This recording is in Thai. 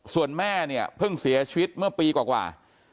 ส่วนแม่เนี่ยเพิ่งเสียชีวิตเมื่อปีกว่า